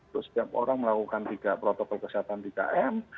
terus setiap orang melakukan tiga protokol kesehatan tiga m